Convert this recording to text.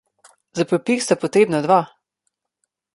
Za prepir sta potrebna dva.